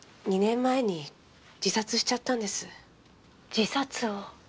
自殺を？